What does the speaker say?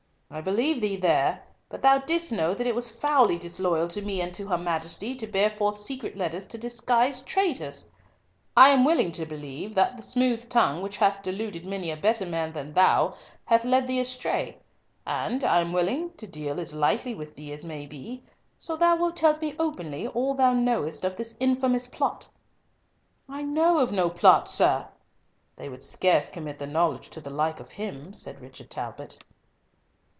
"I believe thee there, but thou didst know that it was foully disloyal to me and to her Majesty to bear forth secret letters to disguised traitors. I am willing to believe that the smooth tongue which hath deluded many a better man than thou hath led thee astray, and I am willing to deal as lightly with thee as may be, so thou wilt tell me openly all thou knowest of this infamous plot." "I know of no plot, sir." "They would scarce commit the knowledge to the like of him," said Richard Talbot.